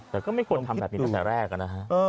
แต่ก็ไม่ควรทำแบบนี้ตั้งแต่แรกนะฮะ